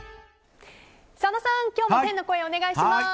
佐野さん、今日も天の声お願いします！